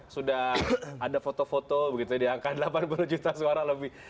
sudah ada foto foto di angka delapan puluh juta suara lebih